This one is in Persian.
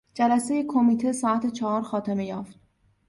جلسهی کمیته ساعت چهار خاتمه یافت.